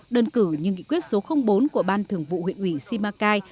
đơn cử như nghị quyết số bốn của ban thường vụ huyện ủy simacai